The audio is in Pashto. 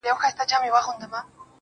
حُسنه دا عجيبه شانې کور دی لمبې کوي